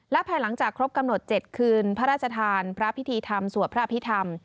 และภายหลังจากครบกำหนด๗คืนพระราชทานพระพิธีธรรมสวดพระอภิษฐรรม